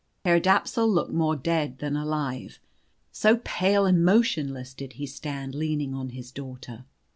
Herr Dapsul looked more dead than alive, so pale and motionless did he stand, leaning un his daughter.